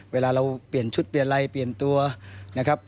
เวลาเราเปลี่ยนชุดเปลี่ยนอะไรเปลี่ยนตัวนะครับ